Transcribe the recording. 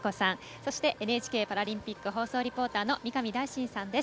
そして、ＮＨＫパラリンピック放送リポーターの三上大進さんです。